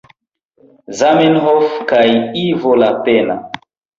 Zamenhof kaj Ivo Lapenna.